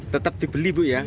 tetap dibeli bu ya